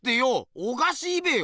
おかしいべよ。